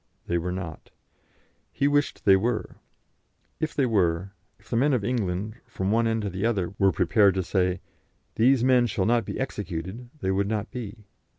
They were not. He wished they were. If they were, if the men of England, from one end to the other, were prepared to say, 'These men shall not be executed,' they would not be.